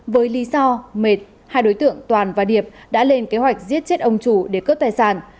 với lý do mệt hai đối tượng toàn và điệp đã lên kế hoạch giết chết ông chủ để cướp tài sản